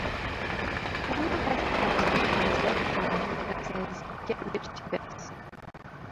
Samuel has a tattoo on his left arm that says Get Rich To This.